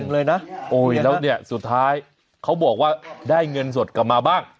แล้วสุดท้ายเขาบอกว่าได้เงินสดกลับมาบ้าง